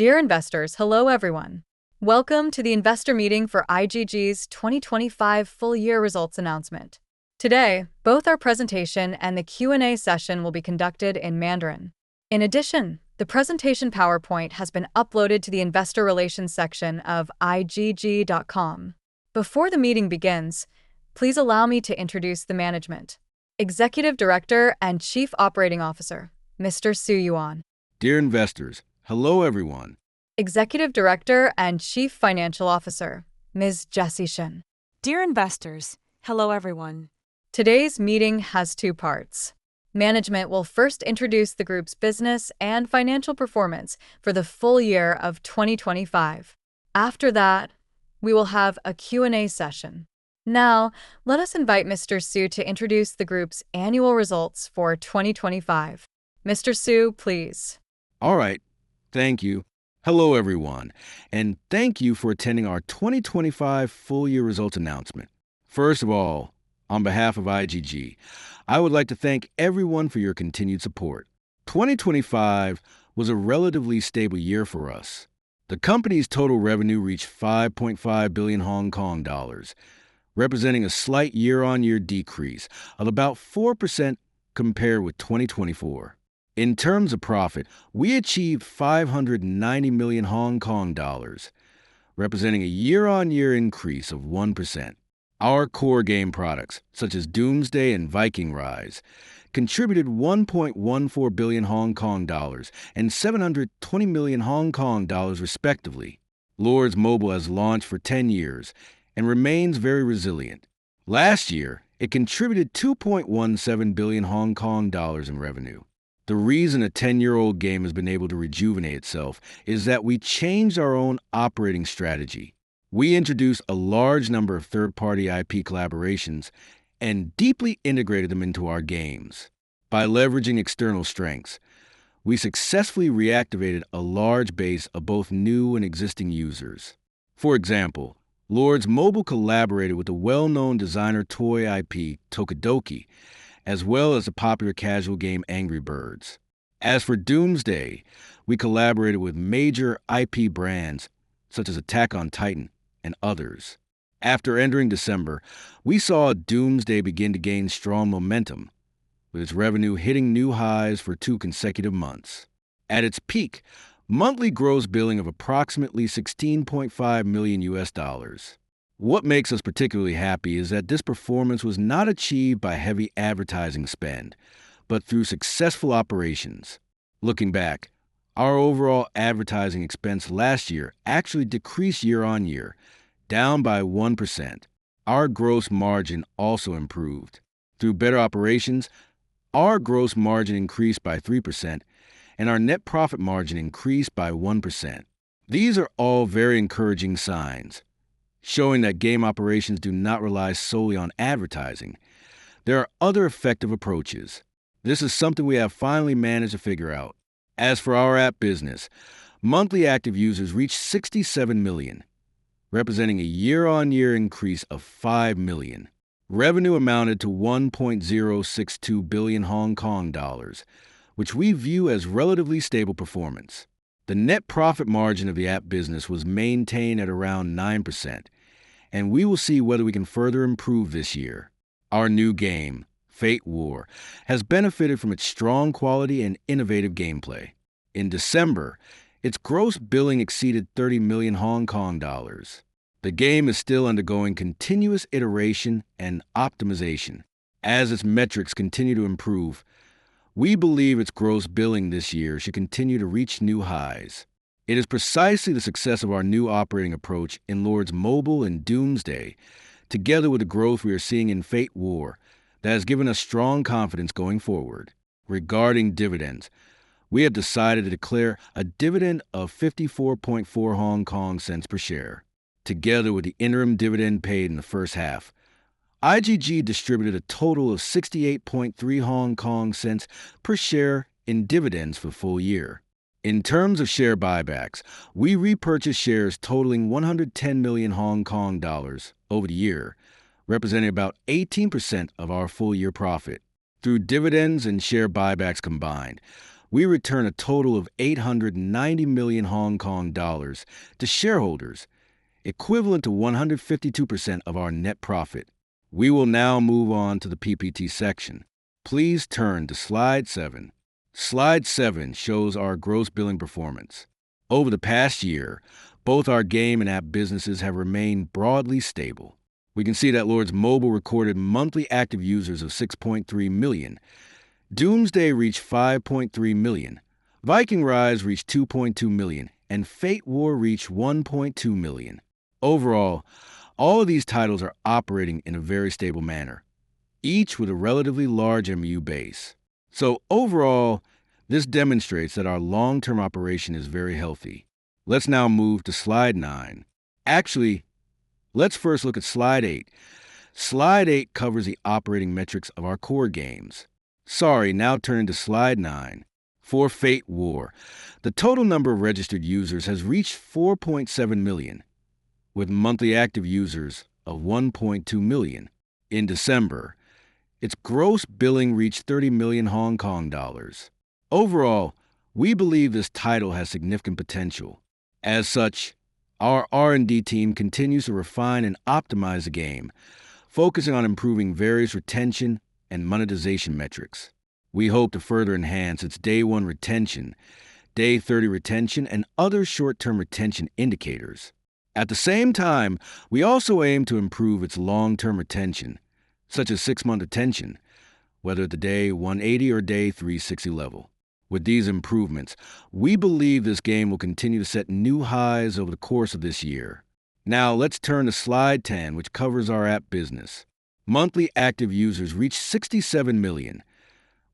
Dear investors, hello everyone. Welcome to the investor meeting for IGG's 2025 full year results announcement. Today, both our presentation and the Q&A session will be conducted in Mandarin. In addition, the presentation PowerPoint has been uploaded to the investor relations section of igg.com. Before the meeting begins, please allow me to introduce the management. Executive Director and Chief Operating Officer, Mr. Xu Yuan. Dear investors, hello everyone. Executive Director and Chief Financial Officer, Ms. Jessie Shen. Dear investors, hello everyone. Today's meeting has two parts. Management will first introduce the group's business and financial performance for the full year of 2025. After that, we will have a Q&A session. Now, let us invite Mr. Xu to introduce the group's annual results for 2025. Mr. Xu, please. All right. Thank you. Hello everyone. Thank you for attending our 2025 full year results announcement. First of all, on behalf of IGG, I would like to thank everyone for your continued support. 2025 was a relatively stable year for us. The company's total revenue reached 5.5 billion Hong Kong dollars, representing a slight year-on-year decrease of about 4% compared with 2024. In terms of profit, we achieved 590 million Hong Kong dollars, representing a year-on-year increase of 1%. Our core game products, such as Doomsday and Viking Rise, contributed 1.14 billion Hong Kong dollars and 720 million Hong Kong dollars respectively. Lords Mobile has launched for 10 years. It remains very resilient. Last year, it contributed 2.17 billion Hong Kong dollars in revenue. The reason a 10-year-old game has been able to rejuvenate itself is that we changed our own operating strategy. We introduced a large number of third-party IP collaborations and deeply integrated them into our games. By leveraging external strengths, we successfully reactivated a large base of both new and existing users. For example, Lords Mobile collaborated with the well-known designer toy IP tokidoki, as well as the popular casual game Angry Birds. As for Doomsday, we collaborated with major IP brands such as Attack on Titan and others. After entering December, we saw Doomsday begin to gain strong momentum, with its revenue hitting new highs for two consecutive months. At its peak, monthly gross billing of approximately $16.5 million. What makes us particularly happy is that this performance was not achieved by heavy advertising spend, but through successful operations. Looking back, our overall advertising expense last year actually decreased year-on-year, down by 1%. Our gross margin also improved. Through better operations, our gross margin increased by 3%, and our net profit margin increased by 1%. These are all very encouraging signs, showing that game operations do not rely solely on advertising. There are other effective approaches. This is something we have finally managed to figure out. As for our app business, monthly active users reached 67 million, representing a year-on-year increase of five million. Revenue amounted to 1.062 billion Hong Kong dollars, which we view as relatively stable performance. The net profit margin of the app business was maintained at around 9%, and we will see whether we can further improve this year. Our new game, Fate War, has benefited from its strong quality and innovative gameplay. In December, its gross billing exceeded 30 million Hong Kong dollars. The game is still undergoing continuous iteration and optimization. As its metrics continue to improve, we believe its gross billing this year should continue to reach new highs. It is precisely the success of our new operating approach in Lords Mobile and Doomsday, together with the growth we are seeing in Fate War, that has given us strong confidence going forward. Regarding dividends, we have decided to declare a dividend of 0.544 per share. Together with the interim dividend paid in the first half, IGG distributed a total of 0.683 per share in dividends for the full year. In terms of share buybacks, we repurchased shares totaling 110 million Hong Kong dollars over the year, representing about 18% of our full-year profit. Through dividends and share buybacks combined, we returned a total of 890 million Hong Kong dollars to shareholders, equivalent to 152% of our net profit. We will now move on to the PPT section. Please turn to slide seven. Slide seven shows our gross billing performance. Over the past year, both our game and app businesses have remained broadly stable. We can see that Lords Mobile recorded monthly active users of 6.3 million, Doomsday reached 5.3 million, Viking Rise reached 2.2 million, and Fate War reached 1.2 million. Overall, all of these titles are operating in a very stable manner, each with a relatively large MU base. Overall, this demonstrates that our long-term operation is very healthy. Let's now move to slide nine. Actually, let's first look at slide eight. Slide eight covers the operating metrics of our core games. Sorry, now turning to slide nine. For Fate War, the total number of registered users has reached 4.7 million, with monthly active users of 1.2 million. In December, its gross billing reached 30 million Hong Kong dollars. Overall, we believe this title has significant potential. As such, our R&D team continues to refine and optimize the game, focusing on improving various retention and monetization metrics. We hope to further enhance its day one retention, day 30 retention, and other short-term retention indicators. At the same time, we also aim to improve its long-term retention, such as six-month retention, whether at the day 180 or day 360 level. With these improvements, we believe this game will continue to set new highs over the course of this year. Let's turn to slide 10, which covers our app business. Monthly active users reached 67 million,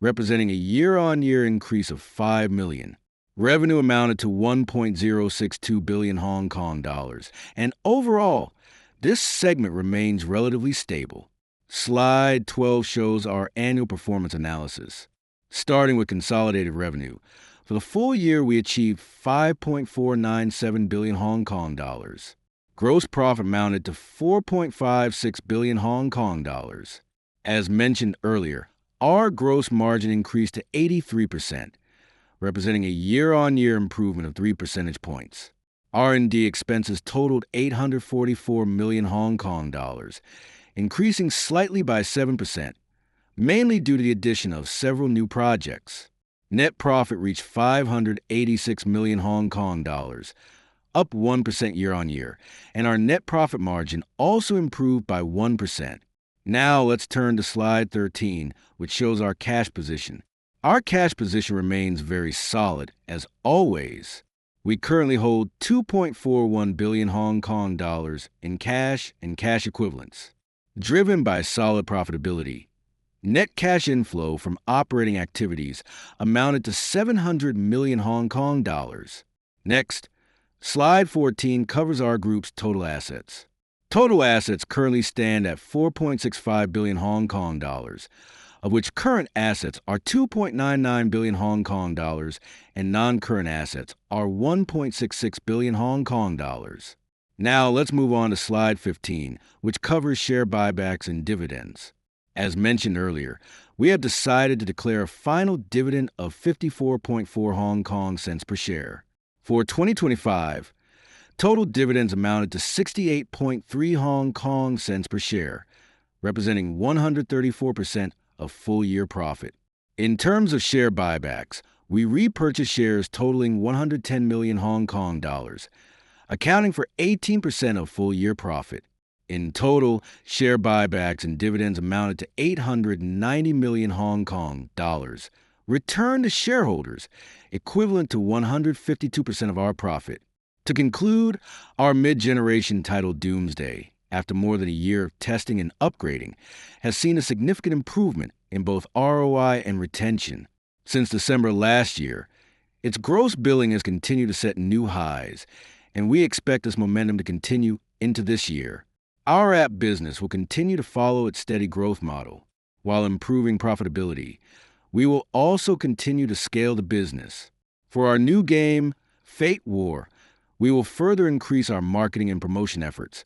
representing a year-on-year increase of 5 million. Revenue amounted to 1.062 billion Hong Kong dollars, and overall, this segment remains relatively stable. Slide 12 shows our annual performance analysis. Starting with consolidated revenue, for the full year, we achieved 5.497 billion Hong Kong dollars. Gross profit amounted to 4.56 billion Hong Kong dollars. As mentioned earlier, our gross margin increased to 83%, representing a year-on-year improvement of 3 percentage points. R&D expenses totaled 844 million Hong Kong dollars, increasing slightly by 7%, mainly due to the addition of several new projects. Net profit reached 586 million Hong Kong dollars, up 1% year-on-year, and our net profit margin also improved by 1%. Let's turn to slide 13, which shows our cash position. Our cash position remains very solid as always. We currently hold 2.41 billion Hong Kong dollars in cash and cash equivalents. Driven by solid profitability, net cash inflow from operating activities amounted to 700 million Hong Kong dollars. Slide 14 covers our group's total assets. Total assets currently stand at 4.65 billion Hong Kong dollars, of which current assets are 2.99 billion Hong Kong dollars and non-current assets are 1.66 billion Hong Kong dollars. Let's move on to slide 15, which covers share buybacks and dividends. As mentioned earlier, we have decided to declare a final dividend of 0.544 per share. For 2025, total dividends amounted to 0.683 per share, representing 134% of full-year profit. In terms of share buybacks, we repurchased shares totaling 110 million Hong Kong dollars, accounting for 18% of full-year profit. In total, share buybacks and dividends amounted to 890 million Hong Kong dollars, return to shareholders equivalent to 152% of our profit. To conclude, our mid-generation title, Doomsday, after more than a year of testing and upgrading, has seen a significant improvement in both ROI and retention. Since December last year, its gross billing has continued to set new highs, and we expect this momentum to continue into this year. Our app business will continue to follow its steady growth model. While improving profitability, we will also continue to scale the business. For our new game, Fate War, we will further increase our marketing and promotion efforts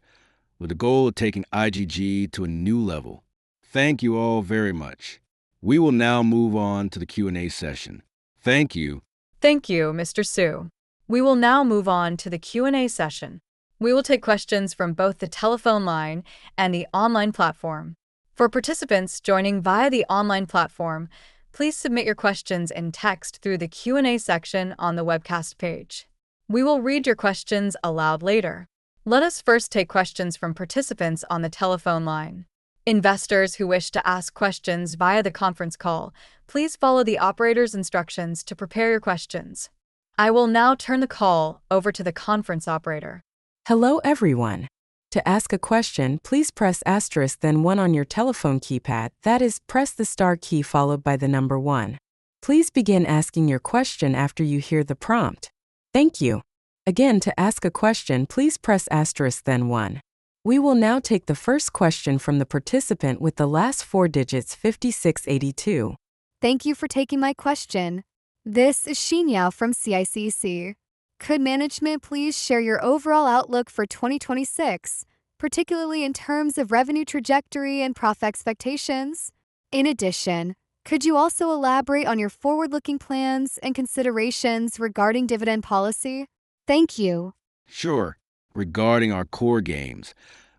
with the goal of taking IGG to a new level. Thank you all very much. We will now move on to the Q&A session. Thank you. Thank you, Mr. Xu. We will now move on to the Q&A session. We will take questions from both the telephone line and the online platform. For participants joining via the online platform, please submit your questions in text through the Q&A section on the webcast page. We will read your questions aloud later. Let us first take questions from participants on the telephone line. Investors who wish to ask questions via the conference call, please follow the operator's instructions to prepare your questions. I will now turn the call over to the conference operator. Hello, everyone. To ask a question, please press asterisk then one on your telephone keypad. That is, press the star key followed by the number one. Please begin asking your question after you hear the prompt. Thank you. Again, to ask a question, please press asterisk then one. We will now take the first question from the participant with the last four digits, 5682. Thank you for taking my question. This is Xinyao from CICC. Could management please share your overall outlook for 2026, particularly in terms of revenue trajectory and profit expectations? Could you also elaborate on your forward-looking plans and considerations regarding dividend policy? Thank you. Sure. Regarding our core games,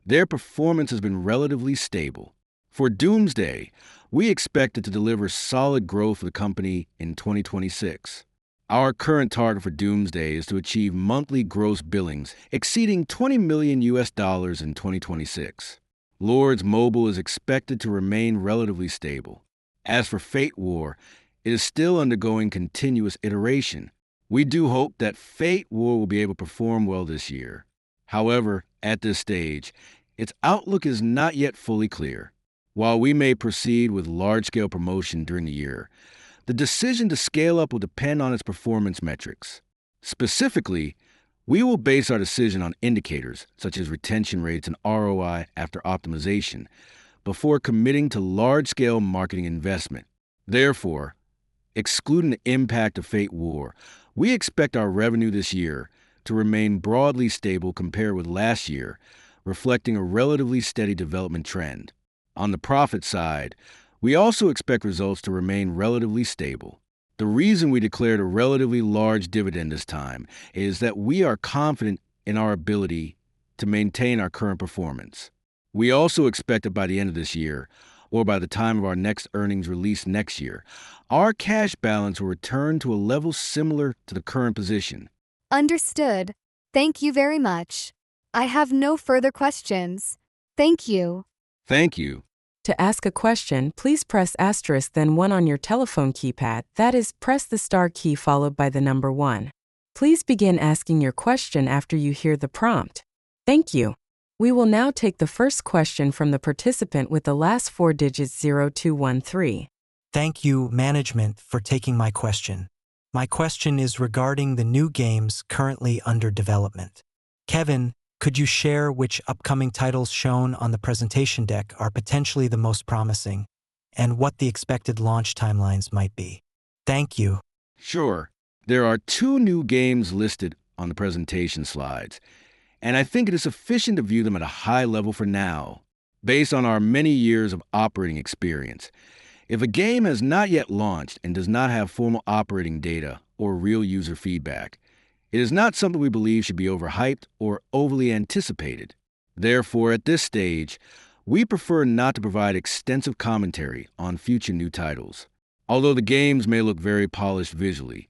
their performance has been relatively stable. For Doomsday, we expect it to deliver solid growth for the company in 2026. Our current target for Doomsday is to achieve monthly gross billings exceeding $20 million in 2026. Lords Mobile is expected to remain relatively stable. As for Fate War, it is still undergoing continuous iteration. We do hope that Fate War will be able to perform well this year. At this stage, its outlook is not yet fully clear. We may proceed with large-scale promotion during the year, the decision to scale up will depend on its performance metrics. Specifically, we will base our decision on indicators such as retention rates and ROI after optimization before committing to large-scale marketing investment. Excluding the impact of Fate War, we expect our revenue this year to remain broadly stable compared with last year, reflecting a relatively steady development trend. On the profit side, we also expect results to remain relatively stable. The reason we declared a relatively large dividend this time is that we are confident in our ability to maintain our current performance. We also expect that by the end of this year, or by the time of our next earnings release next year, our cash balance will return to a level similar to the current position. Understood. Thank you very much. I have no further questions. Thank you. Thank you. To ask a question, please press asterisk then one on your telephone keypad. That is, press the star key followed by the number one. Please begin asking your question after you hear the prompt. Thank you. We will now take the first question from the participant with the last four digits, 0213. Thank you, management, for taking my question. My question is regarding the new games currently under development. Kevin, could you share which upcoming titles shown on the presentation deck are potentially the most promising, and what the expected launch timelines might be? Thank you. Sure. There are two new games listed on the presentation slides, and I think it is sufficient to view them at a high level for now. Based on our many years of operating experience, if a game has not yet launched and does not have formal operating data or real user feedback, it is not something we believe should be overhyped or overly anticipated. Therefore, at this stage, we prefer not to provide extensive commentary on future new titles. Although the games may look very polished visually,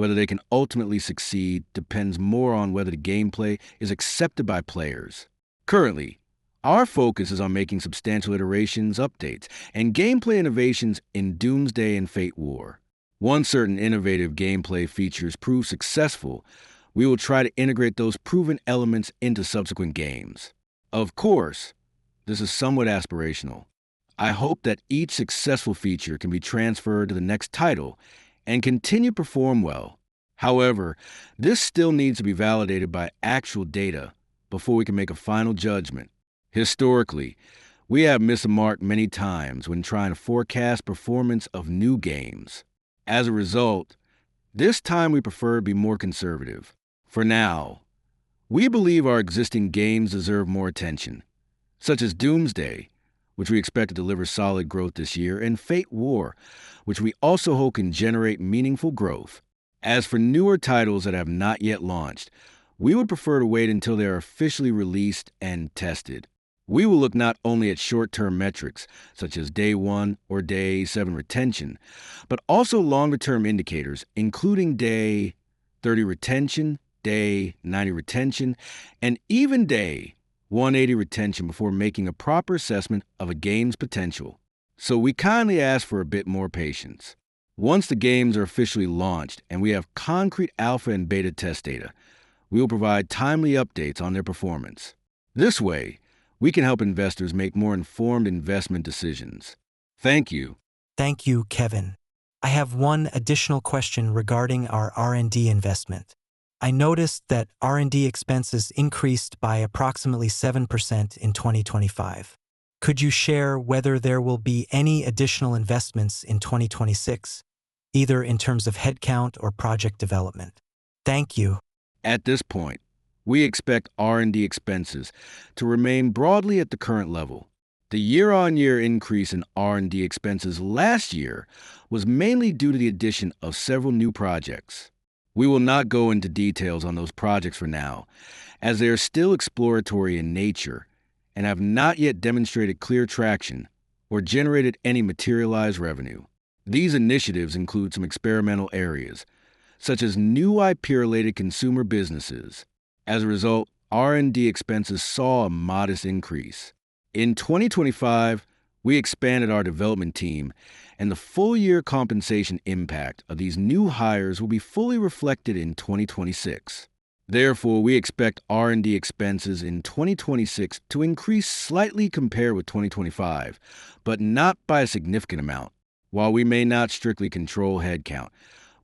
whether they can ultimately succeed depends more on whether the gameplay is accepted by players. Currently, our focus is on making substantial iterations, updates, and gameplay innovations in Doomsday and Fate War. Once certain innovative gameplay features prove successful, we will try to integrate those proven elements into subsequent games. Of course, this is somewhat aspirational. I hope that each successful feature can be transferred to the next title and continue to perform well. However, this still needs to be validated by actual data before we can make a final judgment. Historically, we have missed the mark many times when trying to forecast performance of new games. As a result, this time we prefer to be more conservative. For now, we believe our existing games deserve more attention, such as Doomsday, which we expect to deliver solid growth this year, and Fate War, which we also hope can generate meaningful growth. As for newer titles that have not yet launched, we would prefer to wait until they are officially released and tested. We will look not only at short-term metrics, such as day one or day seven retention, but also longer-term indicators, including day 30 retention, day 90 retention, and even day 180 retention, before making a proper assessment of a game's potential. We kindly ask for a bit more patience. Once the games are officially launched and we have concrete alpha and beta test data, we will provide timely updates on their performance. This way, we can help investors make more informed investment decisions. Thank you. Thank you, Kevin. I have one additional question regarding our R&D investment. I noticed that R&D expenses increased by approximately 7% in 2025. Could you share whether there will be any additional investments in 2026, either in terms of headcount or project development? Thank you. At this point, we expect R&D expenses to remain broadly at the current level. The year-over-year increase in R&D expenses last year was mainly due to the addition of several new projects. We will not go into details on those projects for now, as they are still exploratory in nature and have not yet demonstrated clear traction or generated any materialized revenue. These initiatives include some experimental areas, such as new IP-related consumer businesses. As a result, R&D expenses saw a modest increase. In 2025, we expanded our development team, and the full-year compensation impact of these new hires will be fully reflected in 2026. Therefore, we expect R&D expenses in 2026 to increase slightly compared with 2025, but not by a significant amount. While we may not strictly control headcount,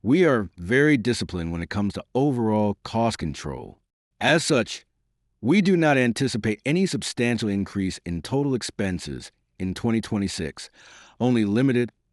we are very disciplined when it comes to overall cost control. As such, we do not anticipate any substantial increase in total expenses in 2026, only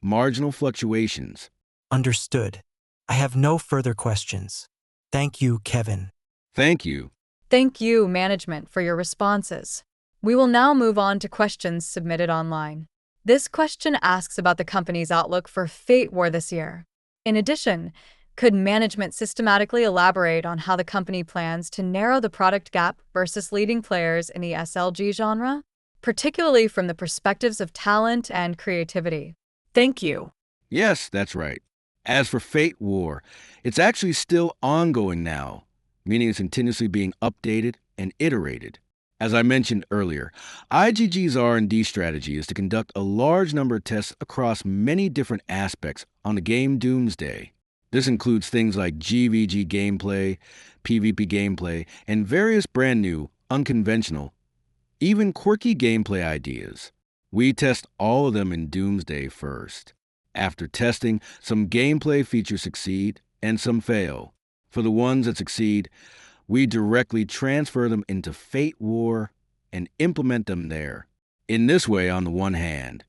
limited marginal fluctuations. Understood. I have no further questions. Thank you, Kevin. Thank you. Thank you, management, for your responses. We will now move on to questions submitted online. This question asks about the company's outlook for Fate War this year. In addition, could management systematically elaborate on how the company plans to narrow the product gap versus leading players in the SLG genre, particularly from the perspectives of talent and creativity? Thank you. Yes, that's right. As for Fate War, it's actually still ongoing now, meaning it's continuously being updated and iterated. As I mentioned earlier, IGG's R&D strategy is to conduct a large number of tests across many different aspects on the game Doomsday. This includes things like GVG gameplay, PVP gameplay, and various brand-new, unconventional, even quirky gameplay ideas. We test all of them in Doomsday first. After testing, some gameplay features succeed and some fail. For the ones that succeed, we directly transfer them into Fate War and implement them there. In this way, on the one hand,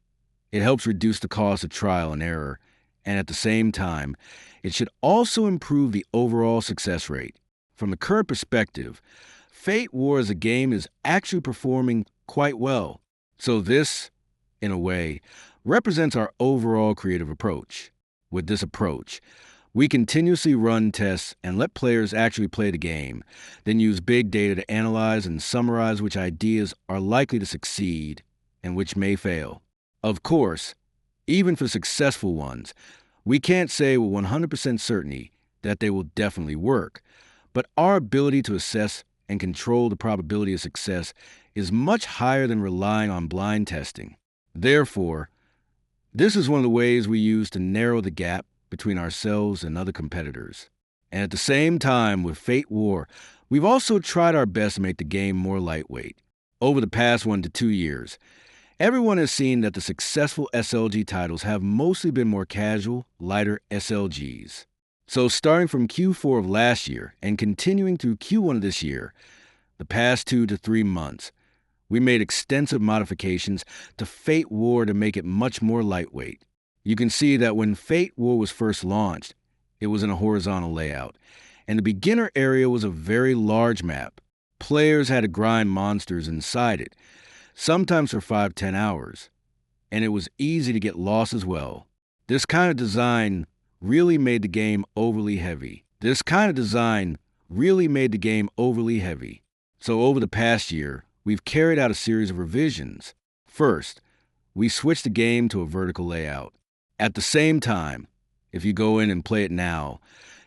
it helps reduce the cost of trial and error, and at the same time, it should also improve the overall success rate. From the current perspective, Fate War as a game is actually performing quite well. This, in a way, represents our overall creative approach. With this approach, we continuously run tests and let players actually play the game, then use big data to analyze and summarize which ideas are likely to succeed and which may fail. Of course, even for successful ones, we can't say with 100% certainty that they will definitely work, but our ability to assess and control the probability of success is much higher than relying on blind testing. Therefore, this is one of the ways we use to narrow the gap between ourselves and other competitors. At the same time, with Fate War, we've also tried our best to make the game more lightweight. Over the past one to two years, everyone has seen that the successful SLG titles have mostly been more casual, lighter SLGs. Starting from Q4 of last year and continuing through Q1 of this year, the past 2-3 months, we made extensive modifications to Fate War to make it much more lightweight. You can see that when Fate War was first launched, it was in a horizontal layout, and the beginner area was a very large map. Players had to grind monsters inside it, sometimes for 5-10 hours, and it was easy to get lost as well. This kind of design really made the game overly heavy. Over the past year, we've carried out a series of revisions. First, we switched the game to a vertical layout. At the same time, if you go in and play it now,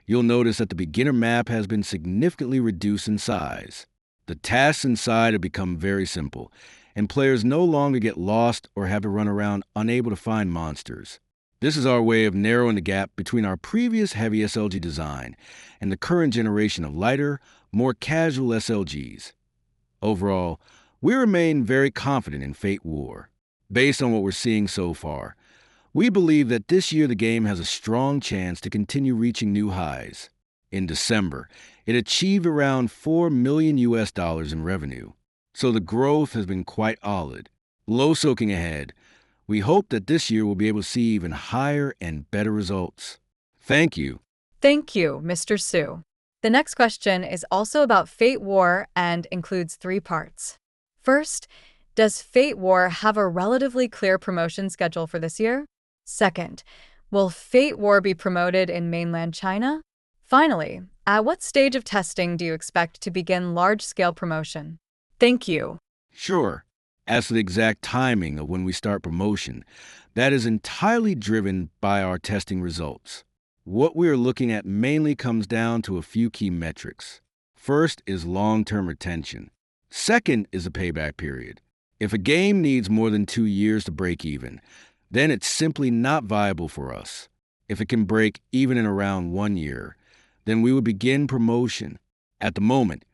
you'll notice that the beginner map has been significantly reduced in size. The tasks inside have become very simple, and players no longer get lost or have to run around unable to find monsters. This is our way of narrowing the gap between our previous heavy SLG design and the current generation of lighter, more casual SLGs. Overall, we remain very confident in Fate War. Based on what we're seeing so far, we believe that this year the game has a strong chance to continue reaching new highs. In December, it achieved around $4 million in revenue. The growth has been quite solid. Looking ahead, we hope that this year we'll be able to see even higher and better results. Thank you. Thank you, Mr. Su. The next question is also about Fate War and includes three parts. First, does Fate War have a relatively clear promotion schedule for this year? Second, will Fate War be promoted in mainland China? Finally, at what stage of testing do you expect to begin large-scale promotion? Thank you. Sure. As to the exact timing of when we start promotion, that is entirely driven by our testing results. What we are looking at mainly comes down to a few key metrics. First is long-term retention. Second is the payback period. If a game needs more than two years to break even, then it's simply not viable for us. If it can break even in around one year, then we would begin promotion. At the moment,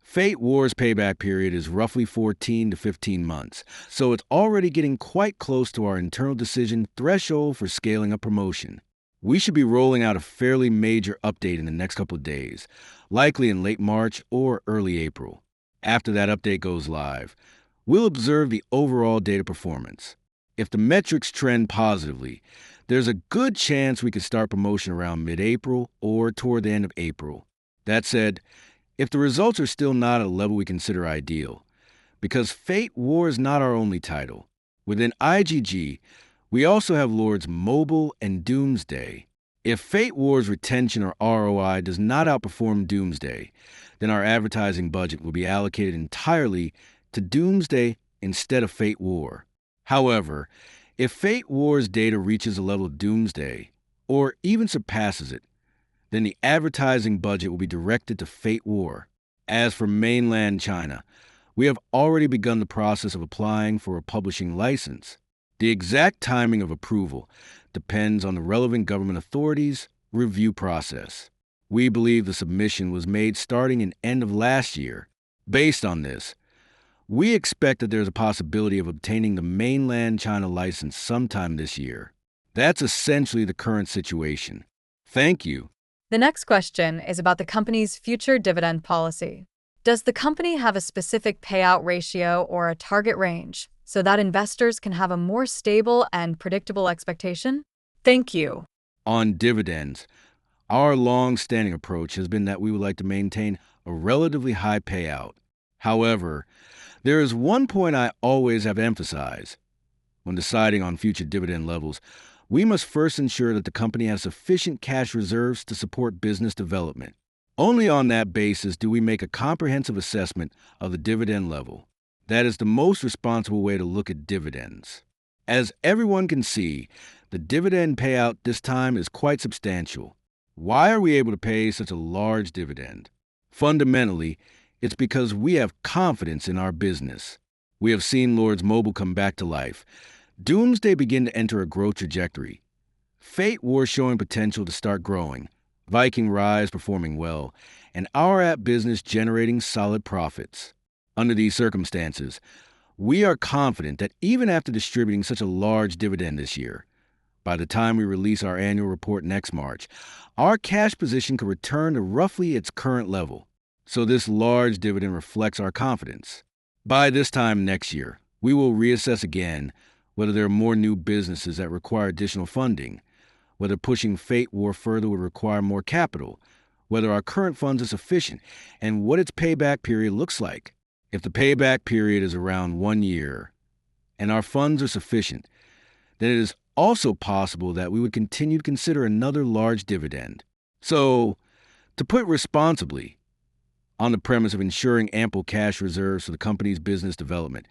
Fate War's payback period is roughly 14-15 months, so it's already getting quite close to our internal decision threshold for scaling up promotion. We should be rolling out a fairly major update in the next couple of days, likely in late March or early April. After that update goes live, we'll observe the overall data performance. If the metrics trend positively, there's a good chance we could start promotion around mid-April or toward the end of April. That said, if the results are still not at a level we consider ideal, because Fate War is not our only title. Within IGG, we also have Lords Mobile and Doomsday. If Fate War's retention or ROI does not outperform Doomsday, then our advertising budget will be allocated entirely to Doomsday instead of Fate War. However, if Fate War's data reaches the level of Doomsday or even surpasses it, then the advertising budget will be directed to Fate War. As for mainland China, we have already begun the process of applying for a publishing license. The exact timing of approval depends on the relevant government authorities' review process. We believe the submission was made starting in end of last year. Based on this, we expect that there's a possibility of obtaining the mainland China license sometime this year. That's essentially the current situation. Thank you. The next question is about the company's future dividend policy. Does the company have a specific payout ratio or a target range so that investors can have a more stable and predictable expectation? Thank you. On dividends, our long-standing approach has been that we would like to maintain a relatively high payout. However, there is one point I always have emphasized. When deciding on future dividend levels, we must first ensure that the company has sufficient cash reserves to support business development. Only on that basis do we make a comprehensive assessment of the dividend level. That is the most responsible way to look at dividends. As everyone can see, the dividend payout this time is quite substantial. Why are we able to pay such a large dividend? Fundamentally, it's because we have confidence in our business. We have seen Lords Mobile come back to life, Doomsday begin to enter a growth trajectory, Fate War showing potential to start growing, Viking Rise performing well, and our app business generating solid profits. Under these circumstances, we are confident that even after distributing such a large dividend this year. By the time we release our annual report next March, our cash position could return to roughly its current level. This large dividend reflects our confidence. By this time next year, we will reassess again whether there are more new businesses that require additional funding, whether pushing Fate War further would require more capital, whether our current funds are sufficient, and what its payback period looks like. If the payback period is around one year and our funds are sufficient, it is also possible that we would continue to consider another large dividend. To put it responsibly, on the premise of ensuring ample cash reserves for the company's business development,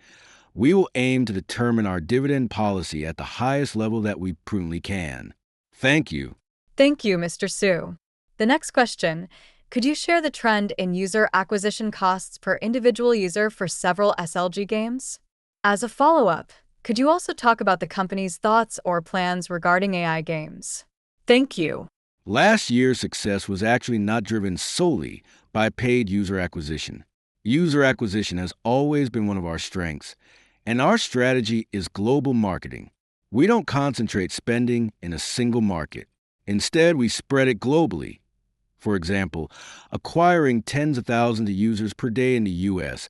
we will aim to determine our dividend policy at the highest level that we prudently can. Thank you. Thank you, Mr. Su. The next question: Could you share the trend in user acquisition costs per individual user for several SLG games? As a follow-up, could you also talk about the company's thoughts or plans regarding AI games? Thank you. Last year's success was actually not driven solely by paid user acquisition. User acquisition has always been one of our strengths, and our strategy is global marketing. We don't concentrate spending in a single market. Instead, we spread it globally. For example, acquiring tens of thousands of users per day in the U.S.,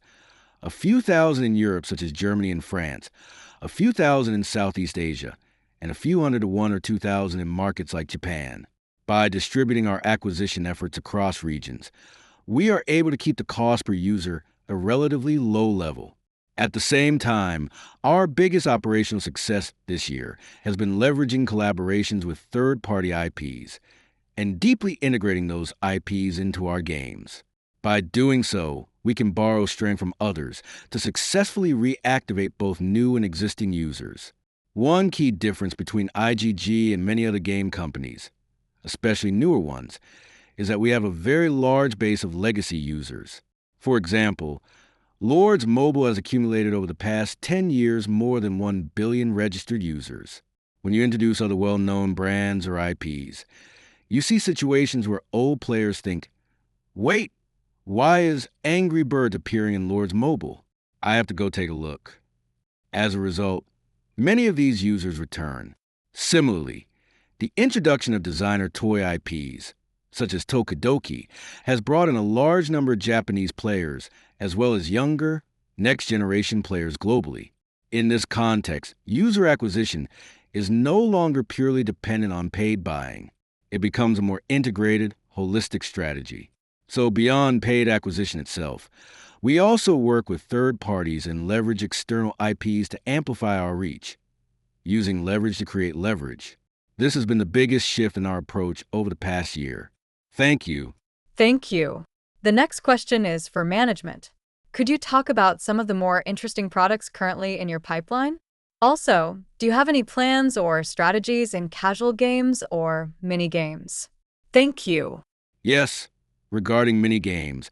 a few thousand in Europe such as Germany and France, a few thousand in Southeast Asia, and a few hundred to one or two thousand in markets like Japan. By distributing our acquisition efforts across regions, we are able to keep the cost per user at a relatively low level. At the same time, our biggest operational success this year has been leveraging collaborations with third-party IPs and deeply integrating those IPs into our games. By doing so, we can borrow strength from others to successfully reactivate both new and existing users. One key difference between IGG and many other game companies, especially newer ones, is that we have a very large base of legacy users. For example, Lords Mobile has accumulated over the past 10 years, more than one billion registered users. When you introduce other well-known brands or IPs, you see situations where old players think, "Wait, why is Angry Birds appearing in Lords Mobile? I have to go take a look." As a result, many of these users return. Similarly, the introduction of designer toy IPs, such as tokidoki, has brought in a large number of Japanese players, as well as younger, next-generation players globally. In this context, user acquisition is no longer purely dependent on paid buying. It becomes a more integrated, holistic strategy. Beyond paid acquisition itself, we also work with third parties and leverage external IPs to amplify our reach, using leverage to create leverage. This has been the biggest shift in our approach over the past year. Thank you. Thank you. The next question is for management. Could you talk about some of the more interesting products currently in your pipeline? Also, do you have any plans or strategies in casual games or mini-games? Thank you. Yes, regarding mini-games,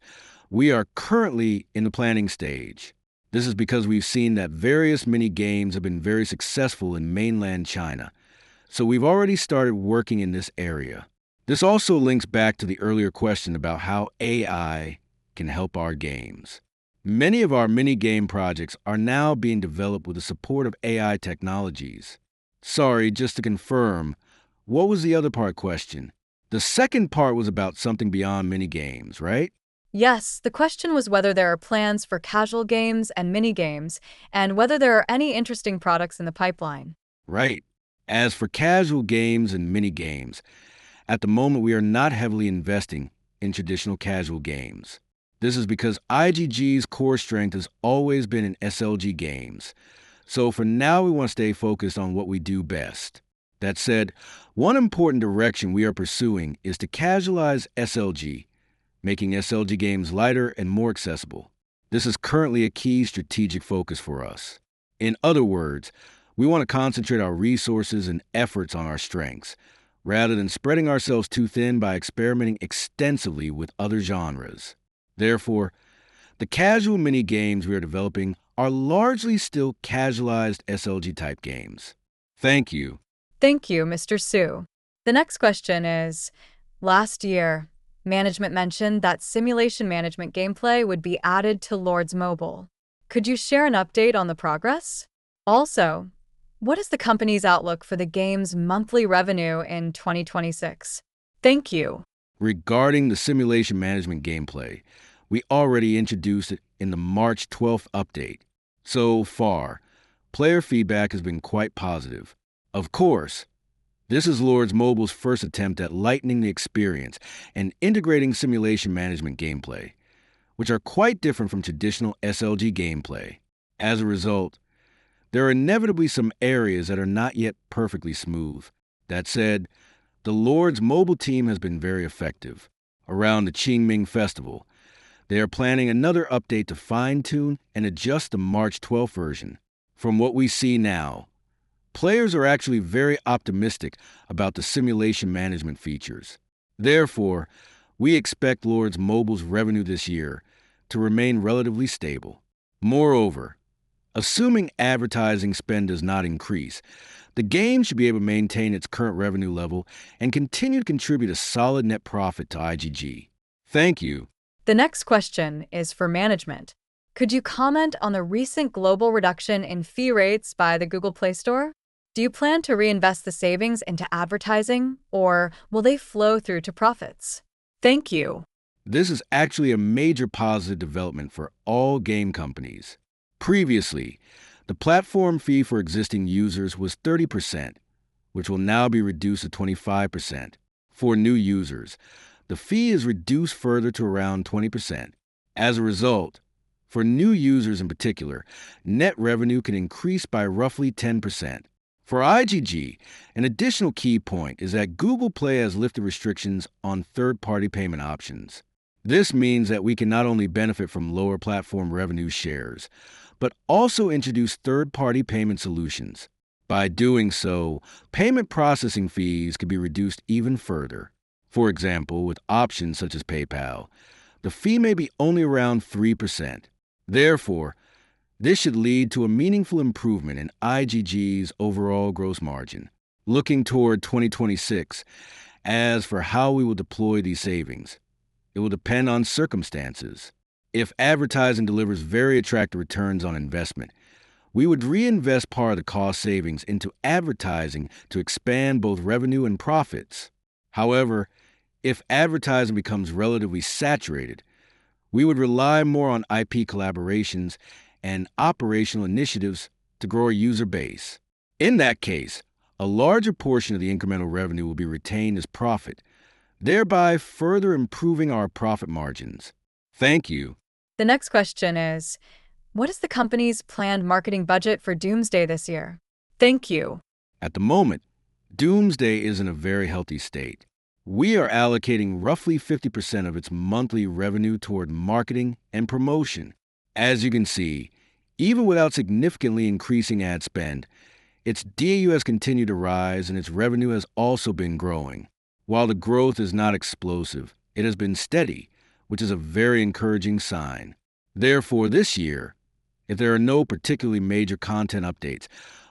we are currently in the planning stage. This is because we've seen that various mini-games have been very successful in mainland China, so we've already started working in this area. This also links back to the earlier question about how AI can help our games. Many of our mini-game projects are now being developed with the support of AI technologies. Sorry, just to confirm, what was the other part of the question? The second part was about something beyond mini-games, right? Yes, the question was whether there are plans for casual games and mini-games, and whether there are any interesting products in the pipeline. Right. As for casual games and mini-games, at the moment, we are not heavily investing in traditional casual games. This is because IGG's core strength has always been in SLG games, so for now, we want to stay focused on what we do best. That said, one important direction we are pursuing is to casualize SLG, making SLG games lighter and more accessible. This is currently a key strategic focus for us. In other words, we want to concentrate our resources and efforts on our strengths rather than spreading ourselves too thin by experimenting extensively with other genres. The casual mini-games we are developing are largely still casualized SLG-type games. Thank you. Thank you, Mr. Su. The next question is: Last year, management mentioned that simulation management gameplay would be added to Lords Mobile. Could you share an update on the progress? Also, what is the company's outlook for the game's monthly revenue in 2026? Thank you. Regarding the simulation management gameplay, we already introduced it in the March 12th update. Player feedback has been quite positive. Of course, this is Lords Mobile's first attempt at lightening the experience and integrating simulation management gameplay, which are quite different from traditional SLG gameplay. There are inevitably some areas that are not yet perfectly smooth. That said, the Lords Mobile team has been very effective. Around the Qingming Festival, they are planning another update to fine-tune and adjust the March 12 version. From what we see now, players are actually very optimistic about the simulation management features. We expect Lords Mobile's revenue this year to remain relatively stable. Assuming advertising spend does not increase, the game should be able to maintain its current revenue level and continue to contribute a solid net profit to IGG. Thank you. The next question is for management. Could you comment on the recent global reduction in fee rates by the Google Play Store? Do you plan to reinvest the savings into advertising, or will they flow through to profits? Thank you. This is actually a major positive development for all game companies. Previously, the platform fee for existing users was 30%, which will now be reduced to 25%. For new users, the fee is reduced further to around 20%. As a result, for new users in particular, net revenue can increase by roughly 10%. For IGG, an additional key point is that Google Play has lifted restrictions on third-party payment options. This means that we can not only benefit from lower platform revenue shares, but also introduce third-party payment solutions. By doing so, payment processing fees could be reduced even further. For example, with options such as PayPal, the fee may be only around 3%. Therefore, this should lead to a meaningful improvement in IGG's overall gross margin. Looking toward 2026, as for how we will deploy these savings, it will depend on circumstances. If advertising delivers very attractive returns on investment, we would reinvest part of the cost savings into advertising to expand both revenue and profits. However, if advertising becomes relatively saturated, we would rely more on IP collaborations and operational initiatives to grow our user base. In that case, a larger portion of the incremental revenue will be retained as profit, thereby further improving our profit margins. Thank you. The next question is, what is the company's planned marketing budget for Doomsday this year? Thank you. At the moment, Doomsday is in a very healthy state. We are allocating roughly 50% of its monthly revenue toward marketing and promotion. As you can see, even without significantly increasing ad spend, its DAUs continue to rise, and its revenue has also been growing. While the growth is not explosive, it has been steady, which is a very encouraging sign. This year, if there are no particularly major content updates,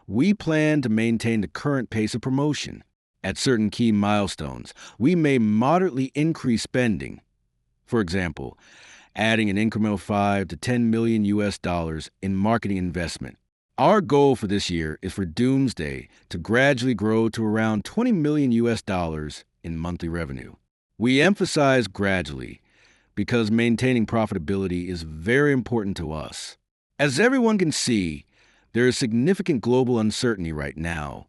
we plan to maintain the current pace of promotion. At certain key milestones, we may moderately increase spending. For example, adding an incremental $5 million-$10 million in marketing investment. Our goal for this year is for Doomsday to gradually grow to around $20 million in monthly revenue. We emphasize gradually, because maintaining profitability is very important to us. As everyone can see, there is significant global uncertainty right now,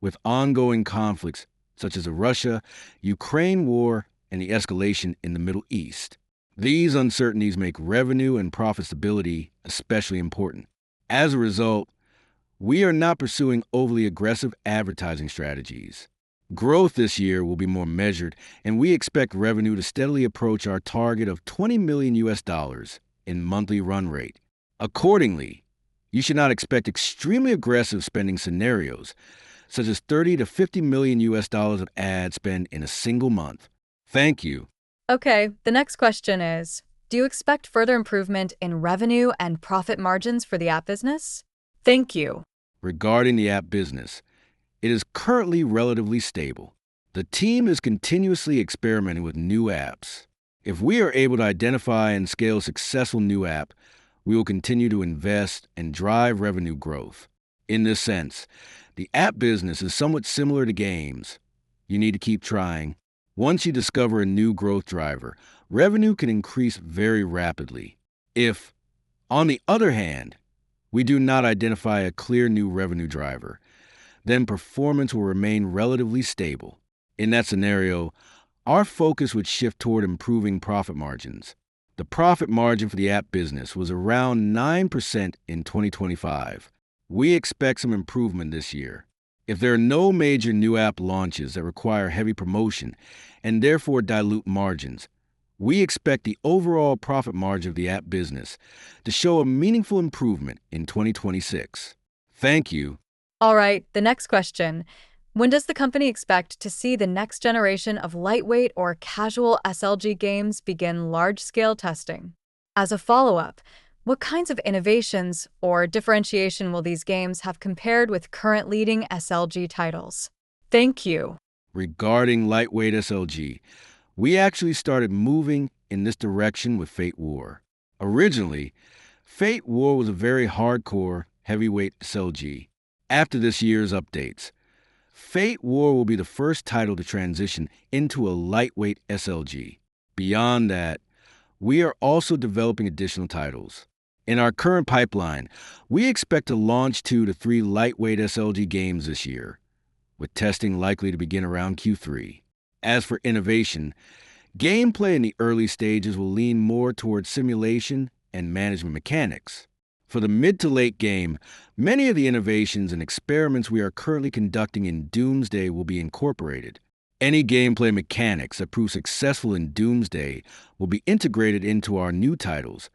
with ongoing conflicts such as the Russia-Ukraine War and the escalation in the Middle East. These uncertainties make revenue and profitability especially important. As a result, we are not pursuing overly aggressive advertising strategies. Growth this year will be more measured, and we expect revenue to steadily approach our target of $20 million in monthly run rate. Accordingly, you should not expect extremely aggressive spending scenarios, such as HKD 30 million-HKD 50 million of ad spend in a single month. Thank you. Okay, the next question is, do you expect further improvement in revenue and profit margins for the app business? Thank you. Regarding the app business, it is currently relatively stable. The team is continuously experimenting with new apps. If we are able to identify and scale a successful new app, we will continue to invest and drive revenue growth. In this sense, the app business is somewhat similar to games. You need to keep trying. Once you discover a new growth driver, revenue can increase very rapidly. If, on the other hand, we do not identify a clear new revenue driver, then performance will remain relatively stable. In that scenario, our focus would shift toward improving profit margins. The profit margin for the app business was around 9% in 2025. We expect some improvement this year. If there are no major new app launches that require heavy promotion and therefore dilute margins, we expect the overall profit margin of the app business to show a meaningful improvement in 2026. Thank you. All right, the next question. When does the company expect to see the next generation of lightweight or casual SLG games begin large-scale testing? As a follow-up, what kinds of innovations or differentiation will these games have compared with current leading SLG titles? Thank you. Regarding lightweight SLG, we actually started moving in this direction with Fate War. Originally, Fate War was a very hardcore, heavyweight SLG. After this year's updates, Fate War will be the first title to transition into a lightweight SLG. Beyond that, we are also developing additional titles. In our current pipeline, we expect to launch 2 to 3 lightweight SLG games this year, with testing likely to begin around Q3. As for innovation, gameplay in the early stages will lean more towards simulation and management mechanics. For the mid to late game, many of the innovations and experiments we are currently conducting in Doomsday will be incorporated. Any gameplay mechanics that prove successful in Doomsday will be integrated into our new titles,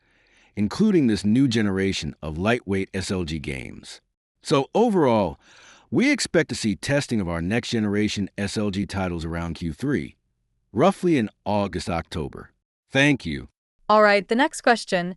including this new generation of lightweight SLG games. Overall, we expect to see testing of our next-generation SLG titles around Q3, roughly in August, October. Thank you. All right, the next question,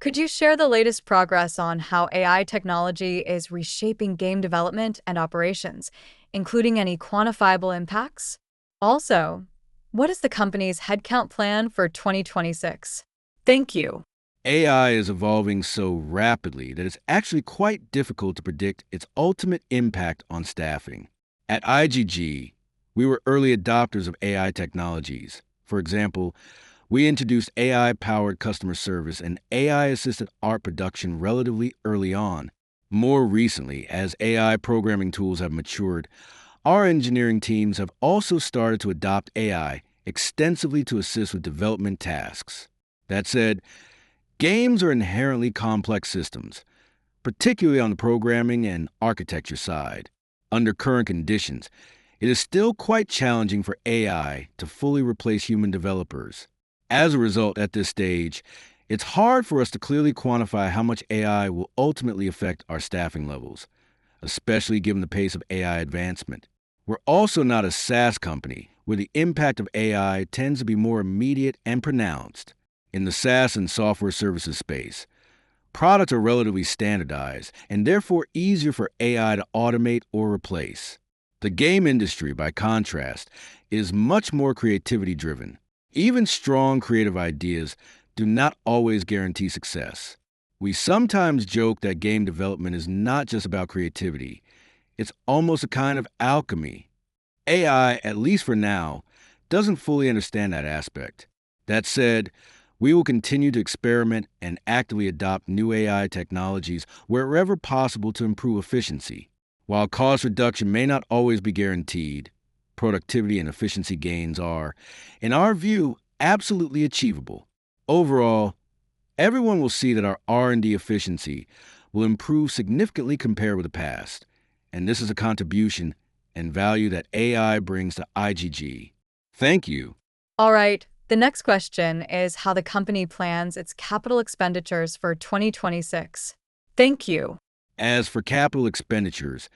could you share the latest progress on how AI technology is reshaping game development and operations, including any quantifiable impacts? What is the company's headcount plan for 2026? Thank you. AI is evolving so rapidly that it's actually quite difficult to predict its ultimate impact on staffing. At IGG, we were early adopters of AI technologies. For example, we introduced AI-powered customer service and AI-assisted art production relatively early on. More recently, as AI programming tools have matured, our engineering teams have also started to adopt AI extensively to assist with development tasks. That said, games are inherently complex systems, particularly on the programming and architecture side. Under current conditions, it is still quite challenging for AI to fully replace human developers. As a result, at this stage, it's hard for us to clearly quantify how much AI will ultimately affect our staffing levels, especially given the pace of AI advancement. We're also not a SaaS company, where the impact of AI tends to be more immediate and pronounced. In the SaaS and software services space, products are relatively standardized and therefore easier for AI to automate or replace. The game industry, by contrast, is much more creativity driven. Even strong creative ideas do not always guarantee success. We sometimes joke that game development is not just about creativity, it's almost a kind of alchemy. AI, at least for now, doesn't fully understand that aspect. That said, we will continue to experiment and actively adopt new AI technologies wherever possible to improve efficiency. While cost reduction may not always be guaranteed, productivity and efficiency gains are, in our view, absolutely achievable. Overall, everyone will see that our R&D efficiency will improve significantly compared with the past, this is a contribution and value that AI brings to IGG. Thank you. All right. The next question is how the company plans its capital expenditures for 2026. Thank you. As for capital expenditures,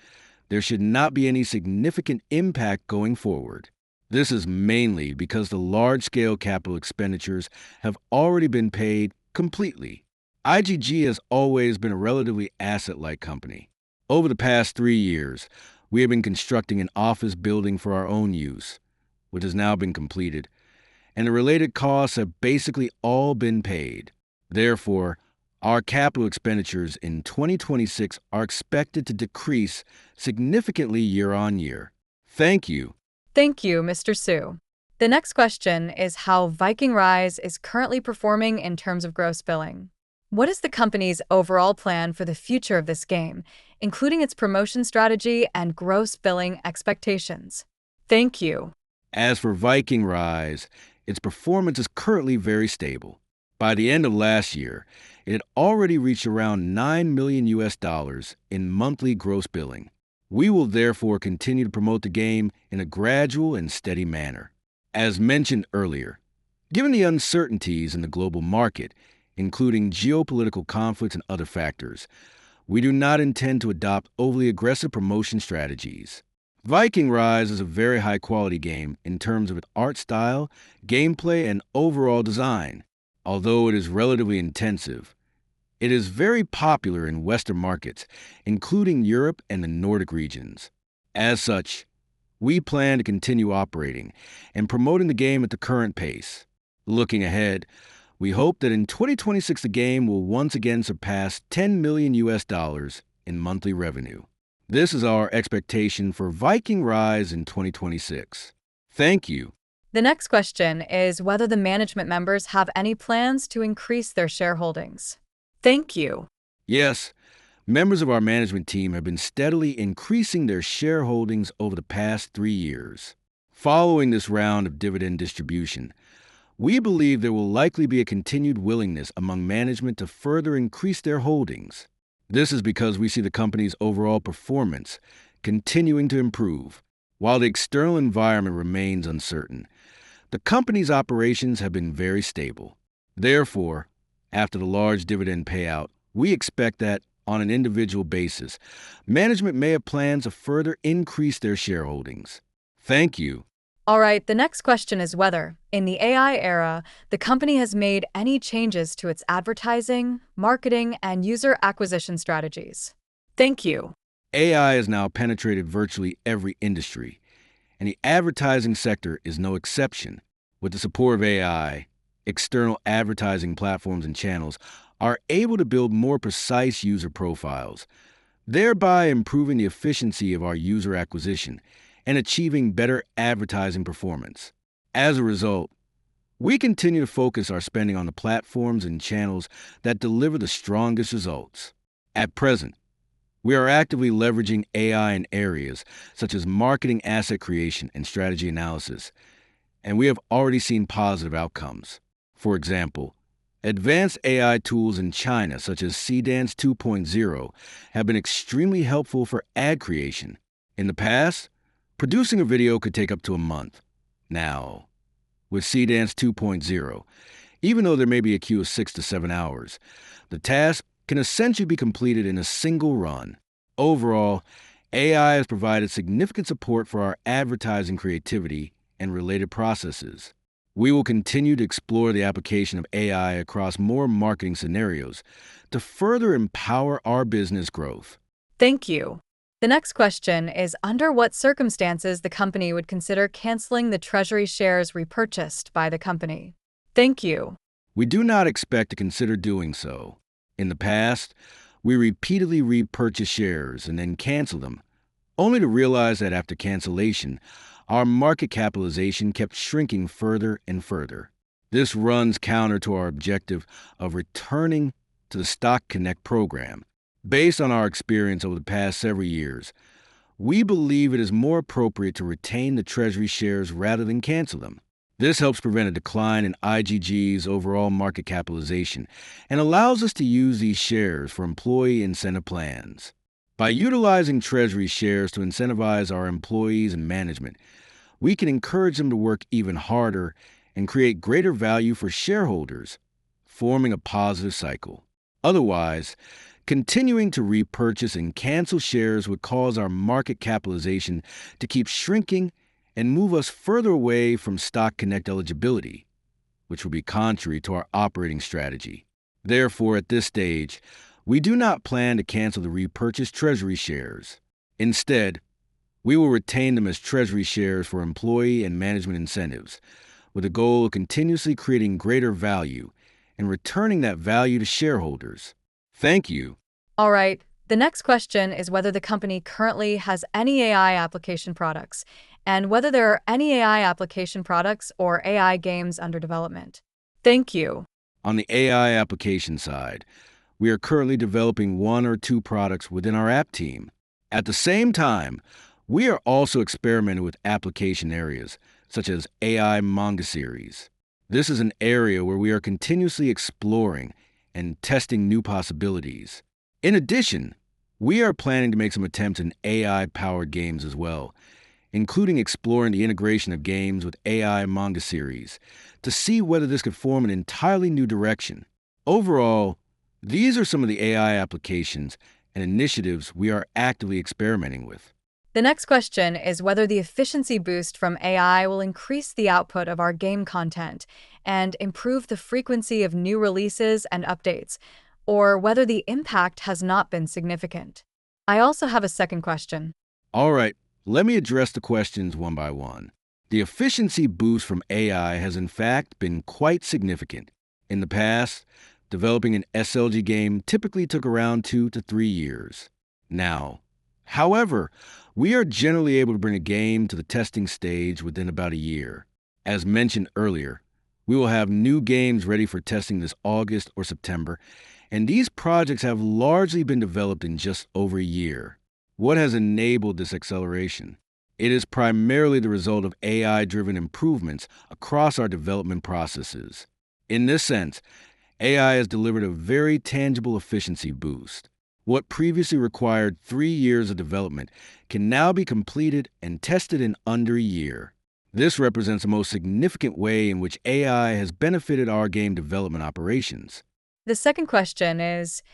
there should not be any significant impact going forward. This is mainly because the large-scale capital expenditures have already been paid completely. IGG has always been a relatively asset-light company. Over the past three years, we have been constructing an office building for our own use, which has now been completed, and the related costs have basically all been paid. Our capital expenditures in 2026 are expected to decrease significantly year on year. Thank you. Thank you, Mr. Xu. The next question is how Viking Rise is currently performing in terms of gross billing. What is the company's overall plan for the future of this game, including its promotion strategy and gross billing expectations? Thank you. As for Viking Rise, its performance is currently very stable. By the end of last year, it had already reached around $9 million in monthly gross billing. We will continue to promote the game in a gradual and steady manner. As mentioned earlier, given the uncertainties in the global market, including geopolitical conflicts and other factors, we do not intend to adopt overly aggressive promotion strategies. Viking Rise is a very high-quality game in terms of its art style, gameplay, and overall design. Although it is relatively intensive, it is very popular in Western markets, including Europe and the Nordic regions. We plan to continue operating and promoting the game at the current pace. Looking ahead, we hope that in 2026, the game will once again surpass $10 million in monthly revenue. This is our expectation for Viking Rise in 2026. Thank you. The next question is whether the management members have any plans to increase their shareholdings. Thank you. Yes. Members of our management team have been steadily increasing their shareholdings over the past three years. Following this round of dividend distribution, we believe there will likely be a continued willingness among management to further increase their holdings. This is because we see the company's overall performance continuing to improve. While the external environment remains uncertain, the company's operations have been very stable. After the large dividend payout, we expect that, on an individual basis, management may have plans to further increase their shareholdings. Thank you. All right. The next question is whether, in the AI era, the company has made any changes to its advertising, marketing, and user acquisition strategies. Thank you. AI has now penetrated virtually every industry. The advertising sector is no exception. With the support of AI, external advertising platforms and channels are able to build more precise user profiles, thereby improving the efficiency of our user acquisition and achieving better advertising performance. As a result, we continue to focus our spending on the platforms and channels that deliver the strongest results. At present, we are actively leveraging AI in areas such as marketing asset creation and strategy analysis. We have already seen positive outcomes. For example, advanced AI tools in China, such as Seedance 2.0, have been extremely helpful for ad creation. In the past, producing a video could take up to a month. Now, with Seedance 2.0, even though there may be a queue of six to seven hours, the task can essentially be completed in a single run. Overall, AI has provided significant support for our advertising creativity and related processes. We will continue to explore the application of AI across more marketing scenarios to further empower our business growth. Thank you. The next question is, under what circumstances the company would consider canceling the treasury shares repurchased by the company? Thank you. We do not expect to consider doing so. In the past, we repeatedly repurchased shares and then canceled them, only to realize that after cancellation, our market capitalization kept shrinking further and further. This runs counter to our objective of returning to the Stock Connect program. Based on our experience over the past several years, we believe it is more appropriate to retain the treasury shares rather than cancel them. This helps prevent a decline in IGG's overall market capitalization and allows us to use these shares for employee incentive plans. By utilizing treasury shares to incentivize our employees and management, we can encourage them to work even harder and create greater value for shareholders, forming a positive cycle. Otherwise, continuing to repurchase and cancel shares would cause our market capitalization to keep shrinking and move us further away from Stock Connect eligibility, which would be contrary to our operating strategy. Therefore, at this stage, we do not plan to cancel the repurchased treasury shares. Instead, we will retain them as treasury shares for employee and management incentives, with the goal of continuously creating greater value and returning that value to shareholders. Thank you. All right. The next question is whether the company currently has any AI application products and whether there are any AI application products or AI games under development. Thank you. On the AI application side, we are currently developing one or two products within our app team. At the same time, we are also experimenting with application areas such as AI manga series. This is an area where we are continuously exploring and testing new possibilities. In addition, we are planning to make some attempts in AI-powered games as well, including exploring the integration of games with AI manga series to see whether this could form an entirely new direction. Overall, these are some of the AI applications and initiatives we are actively experimenting with. The next question is whether the efficiency boost from AI will increase the output of our game content and improve the frequency of new releases and updates, or whether the impact has not been significant. I also have a second question. All right. Let me address the questions one by one. The efficiency boost from AI has, in fact, been quite significant. In the past, developing an SLG game typically took around two to three years. Now, however, we are generally able to bring a game to the testing stage within about a year. As mentioned earlier, we will have new games ready for testing this August or September, and these projects have largely been developed in just over a year. What has enabled this acceleration? It is primarily the result of AI-driven improvements across our development processes. In this sense, AI has delivered a very tangible efficiency boost. What previously required three years of development can now be completed and tested in under a year. This represents the most significant way in which AI has benefited our game development operations. The second question is: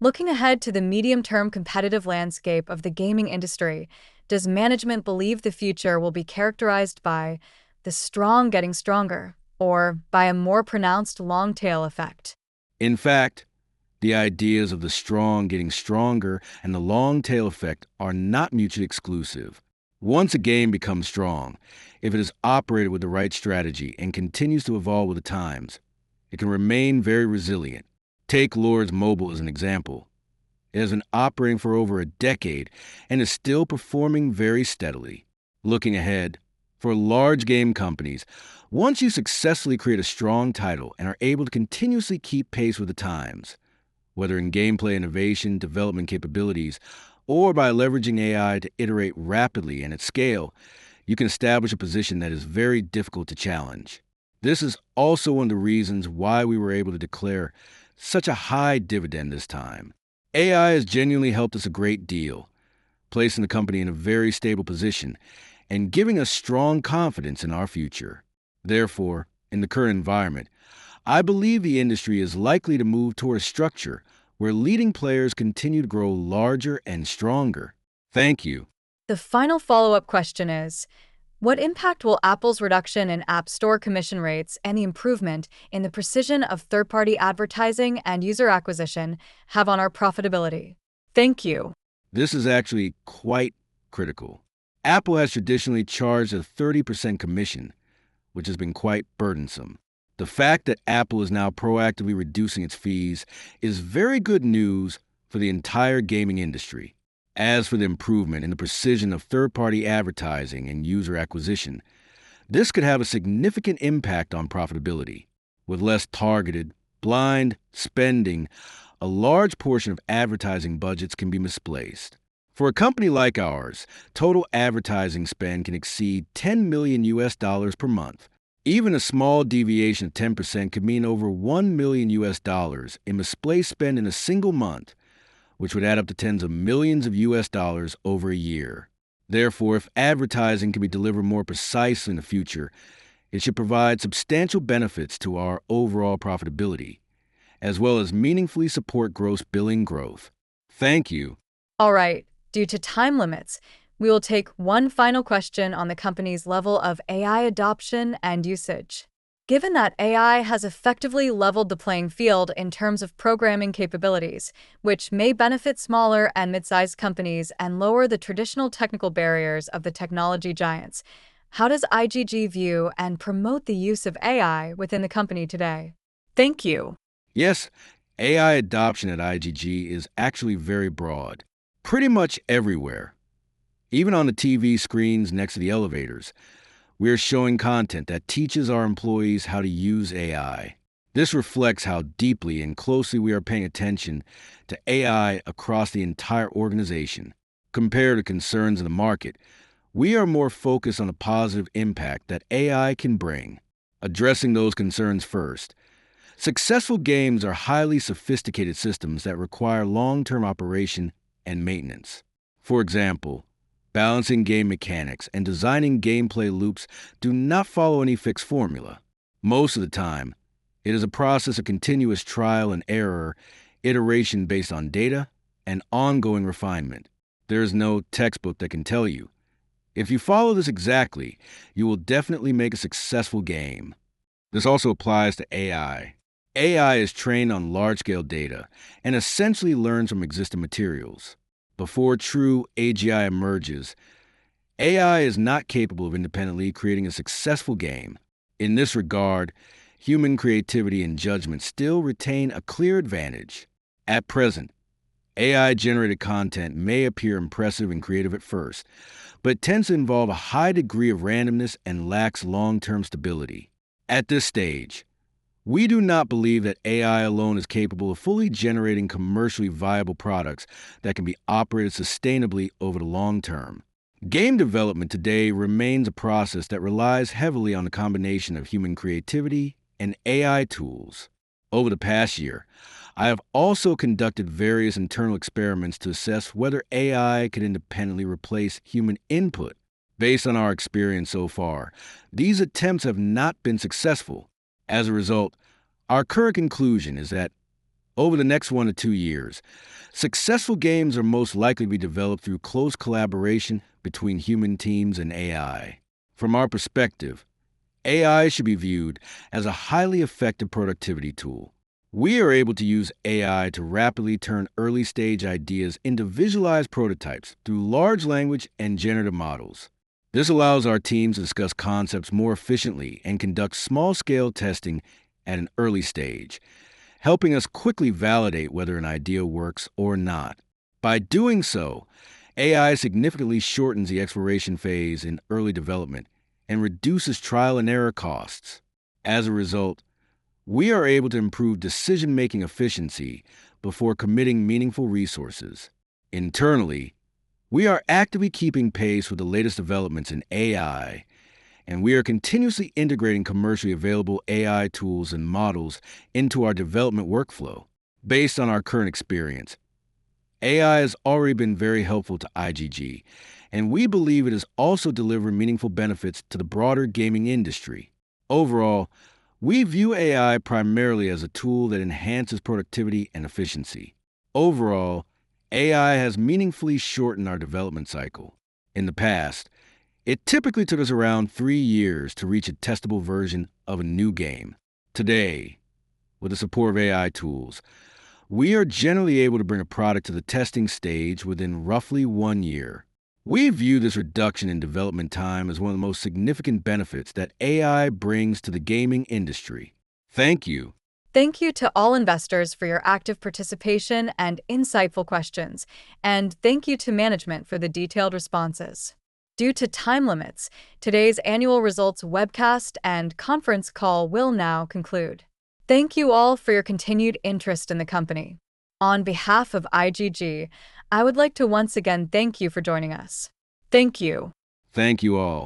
Looking ahead to the medium-term competitive landscape of the gaming industry, does management believe the future will be characterized by the strong getting stronger, or by a more pronounced long-tail effect? In fact, the ideas of the strong getting stronger and the long-tail effect are not mutually exclusive. Once a game becomes strong, if it is operated with the right strategy and continues to evolve with the times, it can remain very resilient. Take Lords Mobile as an example. It has been operating for over a decade and is still performing very steadily. Looking ahead, for large game companies, once you successfully create a strong title and are able to continuously keep pace with the times, whether in gameplay innovation, development capabilities, or by leveraging AI to iterate rapidly and at scale, you can establish a position that is very difficult to challenge. This is also one of the reasons why we were able to declare such a high dividend this time. AI has genuinely helped us a great deal, placing the company in a very stable position and giving us strong confidence in our future. In the current environment, I believe the industry is likely to move toward a structure where leading players continue to grow larger and stronger. Thank you. The final follow-up question is: What impact will Apple's reduction in App Store commission rates and the improvement in the precision of third-party advertising and user acquisition have on our profitability? Thank you. This is actually quite critical. Apple has traditionally charged a 30% commission, which has been quite burdensome. The fact that Apple is now proactively reducing its fees is very good news for the entire gaming industry. As for the improvement in the precision of third-party advertising and user acquisition, this could have a significant impact on profitability. With less targeted, blind spending, a large portion of advertising budgets can be misplaced. For a company like ours, total advertising spend can exceed $10 million USD per month. Even a small deviation of 10% could mean over $1 million USD in misplaced spend in a single month, which would add up to tens of millions of US dollars over a year. If advertising can be delivered more precisely in the future, it should provide substantial benefits to our overall profitability, as well as meaningfully support gross billing growth. Thank you. All right. Due to time limits, we will take one final question on the company's level of AI adoption and usage. Given that AI has effectively leveled the playing field in terms of programming capabilities, which may benefit smaller and mid-sized companies and lower the traditional technical barriers of the technology giants, how does IGG view and promote the use of AI within the company today? Thank you. Yes, AI adoption at IGG is actually very broad. Pretty much everywhere, even on the TV screens next to the elevators, we are showing content that teaches our employees how to use AI. This reflects how deeply and closely we are paying attention to AI across the entire organization. Compared to concerns in the market, we are more focused on the positive impact that AI can bring. Addressing those concerns first, successful games are highly sophisticated systems that require long-term operation and maintenance. For example, balancing game mechanics and designing gameplay loops do not follow any fixed formula. Most of the time, it is a process of continuous trial and error, iteration based on data, and ongoing refinement. There is no textbook that can tell you, "If you follow this exactly, you will definitely make a successful game." This also applies to AI. AI is trained on large-scale data and essentially learns from existing materials. Before true AGI emerges, AI is not capable of independently creating a successful game. In this regard, human creativity and judgment still retain a clear advantage. At present, AI-generated content may appear impressive and creative at first, but tends to involve a high degree of randomness and lacks long-term stability. At this stage, we do not believe that AI alone is capable of fully generating commercially viable products that can be operated sustainably over the long term. Game development today remains a process that relies heavily on the combination of human creativity and AI tools. Over the past year, I have also conducted various internal experiments to assess whether AI could independently replace human input. Based on our experience so far, these attempts have not been successful. As a result, our current conclusion is that over the next one to two years, successful games are most likely to be developed through close collaboration between human teams and AI. From our perspective, AI should be viewed as a highly effective productivity tool. We are able to use AI to rapidly turn early-stage ideas into visualized prototypes through large language and generative models. This allows our teams to discuss concepts more efficiently and conduct small-scale testing at an early stage, helping us quickly validate whether an idea works or not. By doing so, AI significantly shortens the exploration phase in early development and reduces trial-and-error costs. As a result, we are able to improve decision-making efficiency before committing meaningful resources. Internally, we are actively keeping pace with the latest developments in AI, and we are continuously integrating commercially available AI tools and models into our development workflow. Based on our current experience, AI has already been very helpful to IGG, and we believe it is also delivering meaningful benefits to the broader gaming industry. Overall, we view AI primarily as a tool that enhances productivity and efficiency. Overall, AI has meaningfully shortened our development cycle. In the past, it typically took us around three years to reach a testable version of a new game. Today, with the support of AI tools, we are generally able to bring a product to the testing stage within roughly one year. We view this reduction in development time as one of the most significant benefits that AI brings to the gaming industry. Thank you. Thank you to all investors for your active participation and insightful questions, and thank you to management for the detailed responses. Due to time limits, today's annual results webcast and conference call will now conclude. Thank you all for your continued interest in the company. On behalf of IGG, I would like to once again thank you for joining us. Thank you. Thank you all